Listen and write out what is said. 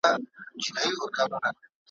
سرترنوکه ځان په زغره کي پېچلې `